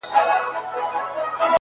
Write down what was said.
که دې د سترگو له سکروټو نه فناه واخلمه’